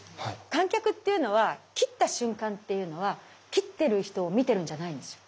観客っていうのは斬った瞬間っていうのは斬ってる人を見てるんじゃないんですよ。